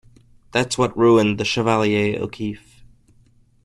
That's what ruined the Chevalier O'Keefe.